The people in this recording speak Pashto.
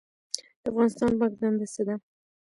د افغانستان بانک دنده څه ده؟